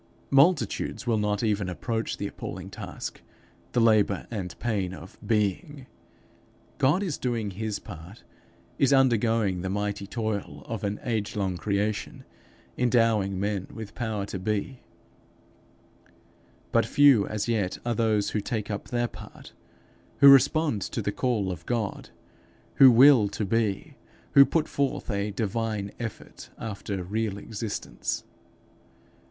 Multitudes will not even approach the appalling task, the labour and pain of being. God is doing his part, is undergoing the mighty toil of an age long creation, endowing men with power to be; but few as yet are those who take up their part, who respond to the call of God, who will to be, who put forth a divine effort after real existence.